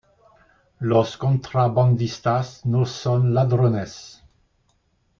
Los contrabandistas no son ladrones.